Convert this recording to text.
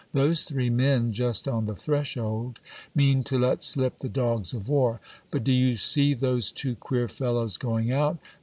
Those three men just on the threshold, mean to let slip the dogs of war. But do you see those two queer fellows going out